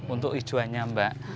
untuk hijauannya mbak